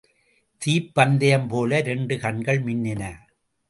தீப்பந்தயம்போல இரண்டு கண்கள் மின்னின.